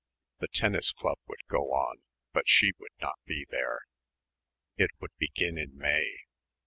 The tennis club would go on, but she would not be there. It would begin in May.